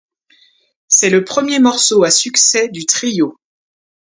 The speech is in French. C'est le premier morceau à succès du trio.